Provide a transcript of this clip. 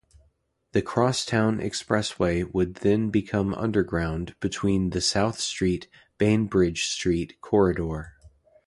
The Crosstown Expressway would then become underground between the South Street-Bainbridge Street corridor.